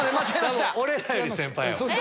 俺らより先輩やわ。